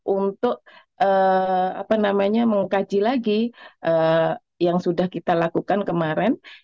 untuk mengkaji lagi yang sudah kita lakukan kemarin